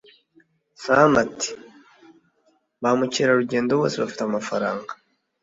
sam ati: 'ba mukerarugendo bose bafite amafaranga'